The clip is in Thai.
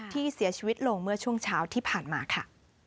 ที่เสียชีวิตลงเมื่อช่วงเช้าที่ผ่านมาค่ะ